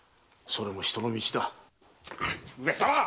それも人の道だ。